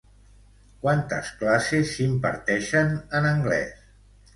Quantes classes s'imparteixen en anglès?